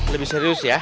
lebih serius ya